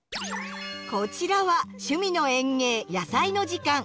こちらは「趣味の園芸やさいの時間」。